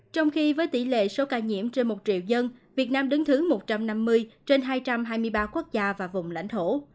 trong khi với tỷ lệ số ca nhiễm trên một triệu dân việt nam đứng thứ một trăm năm mươi trên hai trăm hai mươi ba quốc gia và vùng lãnh thổ